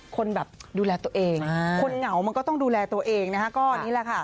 คนแบบดูแลตัวเองคนเหงามันก็ต้องดูแลตัวเองนะคะก็นี่แหละค่ะ